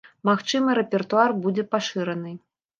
Магчыма, рэпертуар будзе пашыраны.